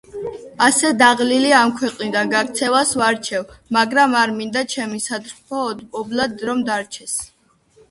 ასე დაღლილი ამ ქვეყნიდან გაქცევას ვარჩევ, მაგრამ არ მინდა ჩემი სატრფო ობლად რომ დარჩეს